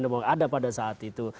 ada pada saat itu